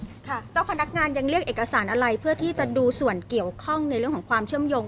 ค่ะเจ้าพนักงานยังเรียกเอกสารอะไรเพื่อที่จะดูส่วนเกี่ยวข้องในเรื่องของความเชื่อมโยง